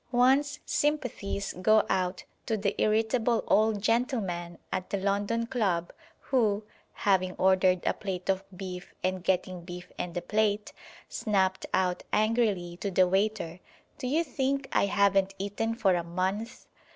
One's sympathies go out to the irritable old gentleman at the London club who, having ordered a plate of beef and getting beef and a plate, snapped out angrily to the waiter, "Do you think I haven't eaten for a month?"